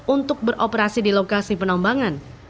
untuk beroperasi di lokasi penambangan